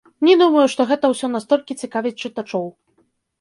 Не думаю, што гэта ўсё настолькі цікавіць чытачоў.